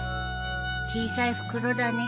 小さい袋だね。